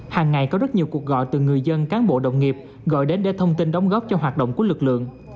hàng ngày có rất nhiều cuộc gọi từ người dân cán bộ đồng nghiệp gọi đến để thông tin đóng góp cho hoạt động của lực lượng